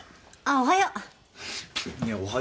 あっおはよう。